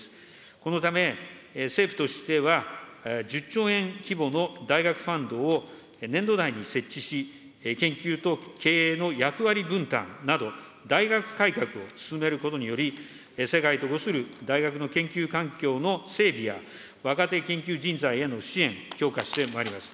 このため、政府としては１０兆円規模の大学ファンドを年度内に設置し、研究と経営の役割分担など、大学改革を進めることにより、生活と伍する大学の研究環境の整備や若手研究人材への支援、強化してまいります。